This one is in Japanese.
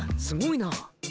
すごいな。